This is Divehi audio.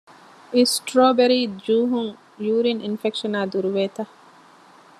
އިސްޓްރޯބެރީ ޖޫހުން ޔޫރިން އިންފެކްޝަނާ ދުރުވޭތަ؟